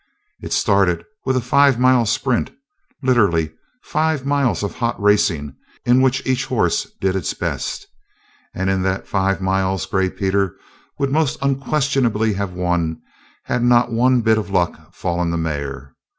It started with a five mile sprint literally five miles of hot racing in which each horse did its best. And in that five miles Gray Peter would most unquestionably have won had not one bit of luck fallen the mare.